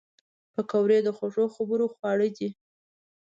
پکورې د خوږو خبرو خواړه دي